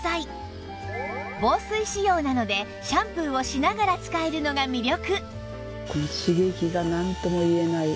防水仕様なのでシャンプーをしながら使えるのが魅力